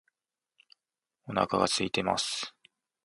お腹が空いています